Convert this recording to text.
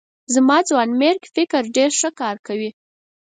زما ځوانمېرګ فکر ډېر ښه کار کوي.